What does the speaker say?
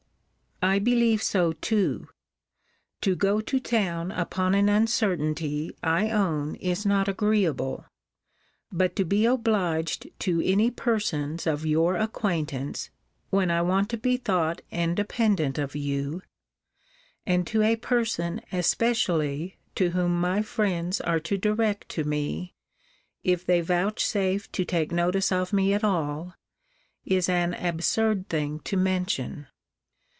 I believe so too. To go to town upon an uncertainty, I own, is not agreeable: but to be obliged to any persons of your acquaintance, when I want to be thought independent of you; and to a person, especially, to whom my friends are to direct to me, if they vouchsafe to take notice of me at all, is an absurd thing to mention.